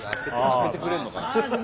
開けてくれるのか。